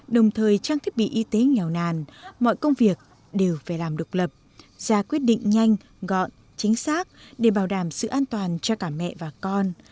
đồng thời trang thiết bị y tế nghèo nàn mọi công việc đều phải làm độc lập ra quyết định nhanh gọn chính xác để bảo đảm sự an toàn cho cả mẹ và con